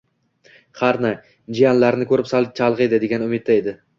Harna, jiyanlarini ko`rib, sal chalg`iydi, degan umidda edi